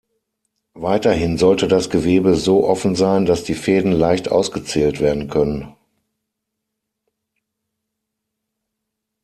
Weiterhin sollte das Gewebe so offen sein, dass die Fäden leicht ausgezählt werden können.